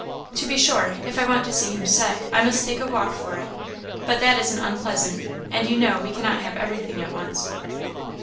To be sure, if I want to see him set, I must take a walk for it but that isn't unpleasant; and you know we cannot have everything at once."